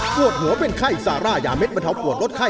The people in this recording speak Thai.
ปวดหัวเป็นไข้ซาร่ายาเด็ดบรรเทาปวดลดไข้